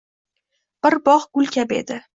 Bir bog’ gul kabi edi.